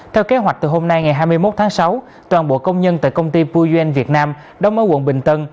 theo kế hoạch từ hôm nay ngày hai mươi một tháng sáu toàn bộ công nhân tại công ty puyen việt nam đóng ở quận bình tân